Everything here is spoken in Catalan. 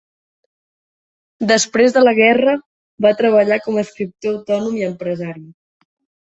Després de la guerra, va treballar com escriptor autònom i empresari.